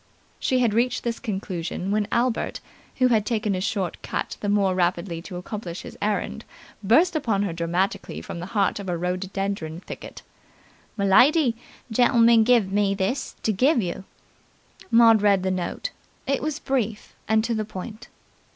She had reached this conclusion when Albert, who had taken a short cut the more rapidly to accomplish his errand, burst upon her dramatically from the heart of a rhododendron thicket. "M'lady! Gentleman give me this to give yer!" Maud read the note. It was brief, and to the point.